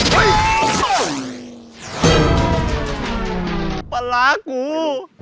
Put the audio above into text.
อุ๊ยปลาลากู